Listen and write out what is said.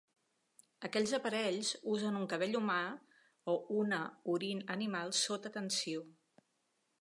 Aquests aparells usen un cabell humà o una crin animal sota tensió.